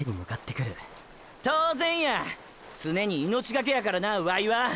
当然や常に命がけやからなワイは！！